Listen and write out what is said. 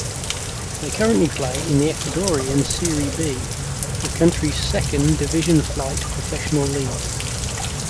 They currently play in the Ecuadorian Serie B, the country's second division-flight professional league.